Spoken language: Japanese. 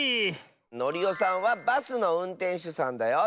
ノリオさんはバスのうんてんしゅさんだよ。